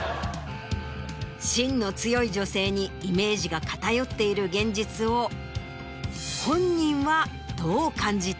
芯の強い女性にイメージが偏っている現実を本人は。